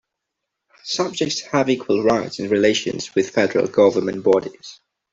Subjects have equal rights in relations with federal government bodies.